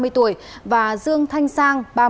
ba mươi tuổi và dương thanh sang